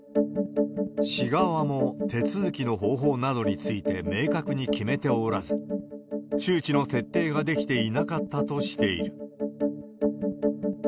市側も手続きの方法などについて明確に決めておらず、周知の徹底ができていなかったとしている。